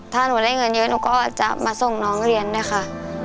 ถ้าหนูได้เงินเยอะหนูก็จะมาส่งน้องเรียนด้วยค่ะ